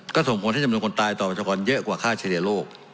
ก็สมควรที่จะมีคนตายต่อวัตเจ้าก่อนเยอะกว่าค่าเฉลี่ยโรค